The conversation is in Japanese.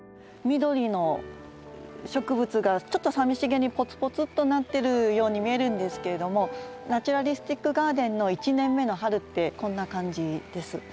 緑の植物がちょっとさみしげにポツポツとなってるように見えるんですけれどもナチュラリスティック・ガーデンの１年目の春ってこんな感じです。